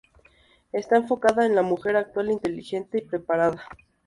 Está enfocada en la mujer actual, inteligente y preparada.